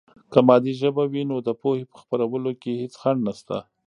که مادي ژبه وي، نو د پوهې په خپرولو کې هېڅ خنډ نسته.